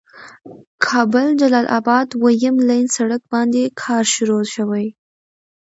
کابل جلال آباد دويم لين سړک باندې کار شروع شوي.